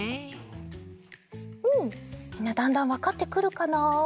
みんなだんだんわかってくるかな。